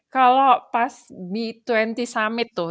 kalau pas b dua puluh summit tuh